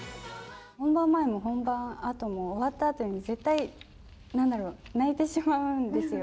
本番前も本番あとも終わったあとに絶対なんだろう、泣いてしまうんですよ。